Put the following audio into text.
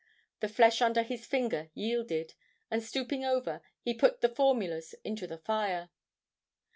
The flesh under his finger yielded, and stooping over, he put the formulas into the fire."